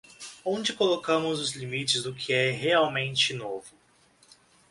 Onde colocamos os limites do que é realmente novo?